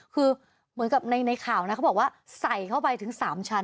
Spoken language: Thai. คือเหมือนในข่าวนะใส่เข้าไปถึงสามชั้น